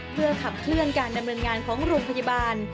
เพื่อขับเคลื่อนการดำเนินงานของโรงพยาบาล